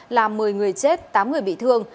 làm một mươi người chết tám người bị thương